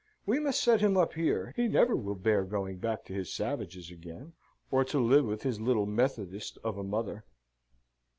We must set him up here; he never will bear going back to his savages again, or to live with his little Methodist of a mother."